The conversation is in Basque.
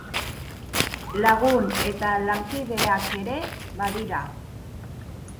Lagun eta lankideak ere badira.